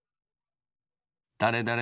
だれだれ